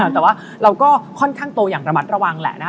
แต่ว่าเราก็ค่อนข้างโตอย่างระมัดระวังแหละนะคะ